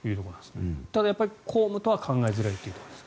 ただ、公務とは考えづらいということですね。